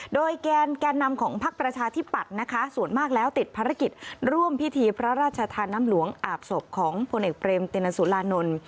โดยแกนนำของพักประชาธิปัตย์นะคะส่วนมากแล้วติดภารกิจร่วมพิธีพระราชทานน้ำหลวงอาบศพของผลเอกเบรมตินสุรานนท์